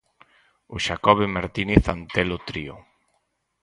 O Xacobe Martínez Antelo Trío.